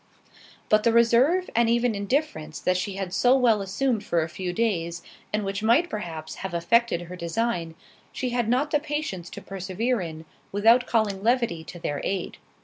But the reserve, and even indifference, that she had so well assumed for a few days, and which might perhaps have effected her design, she had not the patience to persevere in, without calling levity to their aid.